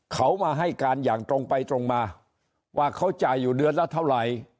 เขามาให้การอย่างตรงไปตรงมาว่าเขาจ่ายอยู่เดือนละเท่าไหร่